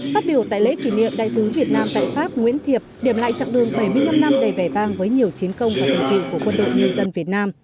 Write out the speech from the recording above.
phát biểu tại lễ kỷ niệm đại sứ việt nam tại pháp nguyễn thiệp điểm lại chặng đường bảy mươi năm năm đầy vẻ vang với nhiều chiến công và định kỳ của quân đội nhân dân việt nam